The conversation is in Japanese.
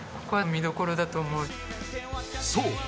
ここは見どころだと思うそう